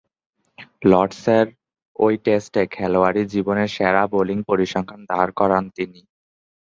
লর্ডসের ঐ টেস্টে খেলোয়াড়ী জীবনের সেরা বোলিং পরিসংখ্যান দাঁড় করান তিনি।